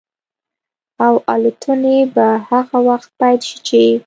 او الوتنې به هغه وخت پيل شي چې